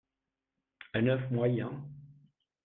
un oeuf moyen